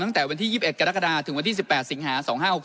ตั้งแต่วันที่๒๑กรกฎาถึงวันที่๑๘สิงหา๒๕๖๒